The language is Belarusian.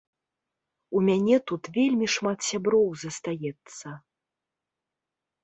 У мяне тут вельмі шмат сяброў застаецца.